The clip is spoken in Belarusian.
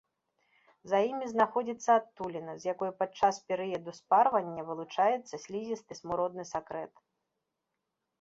За імі знаходзіцца адтуліна, з якой падчас перыяду спарвання вылучаецца слізісты, смуродны сакрэт.